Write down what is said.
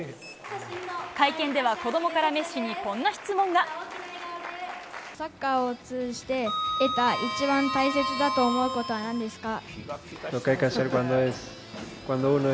会見では、子どもからメッシに、サッカーを通じて得た一番大切だと思うことはなんですか？